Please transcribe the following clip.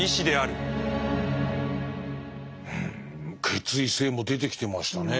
「決意性」も出てきてましたね。